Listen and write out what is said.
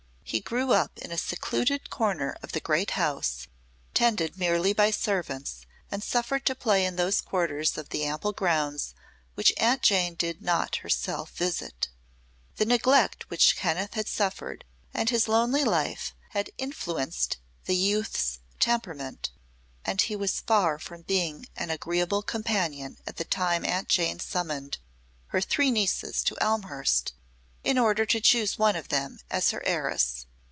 He grew up in a secluded corner of the great house, tended merely by servants and suffered to play in those quarters of the ample grounds which Aunt Jane did not herself visit. The neglect which Kenneth had suffered and his lonely life had influenced the youth's temperament, and he was far from being an agreeable companion at the time Aunt Jane summoned her three nieces to Elmhurst in order to choose one of them as her heiress.